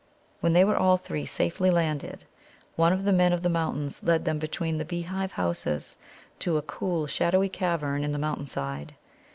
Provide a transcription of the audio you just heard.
When they were all three safely landed, one of the Men of the Mountains led them between the beehive houses to a cool, shadowy cavern in the mountain side.